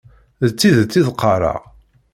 D tidet i d-qqareɣ.